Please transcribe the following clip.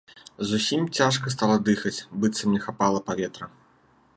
Зусім цяжка стала дыхаць, быццам не хапала паветра.